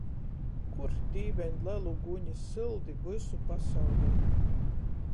Kur, Dīveņ, lelu guni, syldi vysu pasauleiti.